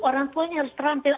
orang tuanya harus terampil